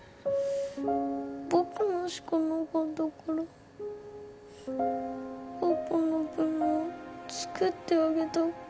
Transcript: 僕のしかなかったからパパの分も作ってあげたくて。